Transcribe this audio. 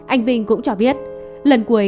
anh vinh cũng cho biết lần cuối